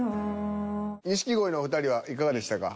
錦鯉のお二人はいかがでしたか？